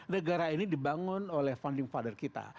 negara ini dibangun oleh founding father kita